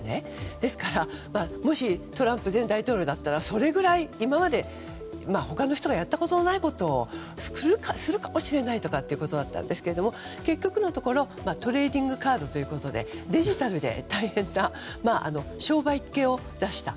ですからもしトランプ前大統領だったらそれぐらい、今まで他の人がやったことのないことをするかもしれないとかということだったんですけれども結局のところトレーディングカードということでデジタルで大変な商売っ気を出した。